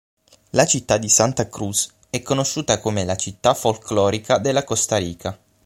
La città di Santa Cruz è conosciuta come la "Città folklorica" della Costa Rica.